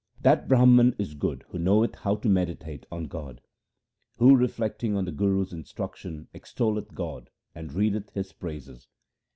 That Brahman is good who knoweth how to meditate on God ; Who reflecting on the Guru's instruction extolleth God and readeth His praises.